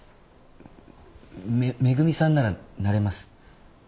めめぐみさんならなれます。